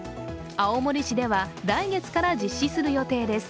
青森市では、来月から実施する予定です。